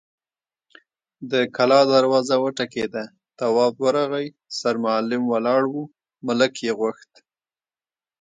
د کلا دروازه وټکېده، تواب ورغی، سرمعلم ولاړ و، ملک يې غوښت.